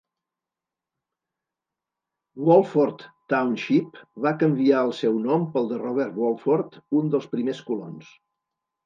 Wolford Township va canviar el seu nom pel de Robert Wolford, un dels primers colons.